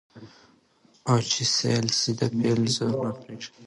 او چي سېل سي د پیل زور نه په رسیږي